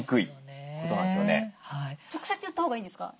直接言ったほうがいいんですか？